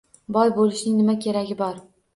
— Boy bo‘lishning nima keragi bor?